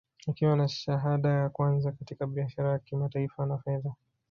Akiwa na shahada ya kwanza katika biashara ya kimataifa na fedha